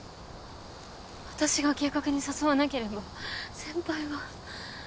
私が計画に誘わなければ先輩は。